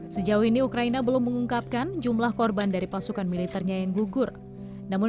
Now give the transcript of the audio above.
sejauh ini ukraina belum mengungkapkan jumlah korban dari pasukan militernya yang gugur namun